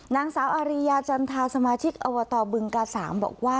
นางสาวอาริยาจันทาสมาชิกอบตบึงกาสามบอกว่า